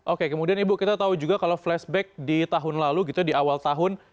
oke kemudian ibu kita tahu juga kalau flashback di tahun lalu gitu di awal tahun